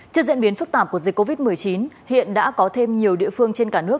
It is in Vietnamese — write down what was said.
trước diễn biến phức tạp của dịch covid một mươi chín hiện đã có thêm nhiều địa phương trên cả nước